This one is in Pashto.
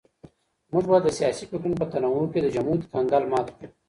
موږ به د سياسي فکرونو په تنوع کي د جمود کنګل مات کړو.